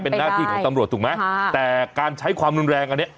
เป็นหน้าที่ของตำรวจถูกไหมแต่การใช้ความรุนแรงอันนี้